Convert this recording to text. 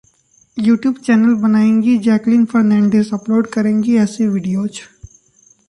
YouTube channel बनाएंगी Jacqueline Fernandez, upload करेंगी ऐसे वीडियोज